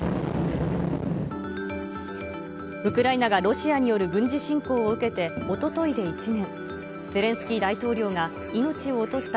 ウクライナがロシアによる軍事侵攻を受けておとといで１年。